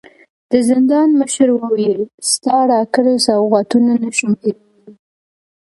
د زندان مشر وويل: ستا راکړي سوغاتونه نه شم هېرولی.